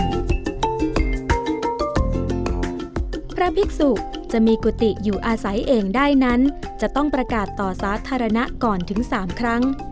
พระภิกษุจะมีกุฏิอยู่อาศัยเองได้นั้นจะต้องประกาศต่อสาธารณะก่อนถึง๓ครั้ง